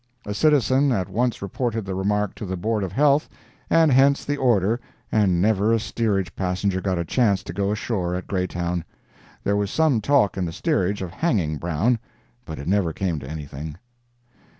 A citizen at once reported the remark to the Board of Health, and hence the order—and never a steerage passenger got a chance to go ashore at Greytown. There was some talk in the steerage of hanging Brown, but it never came to anything.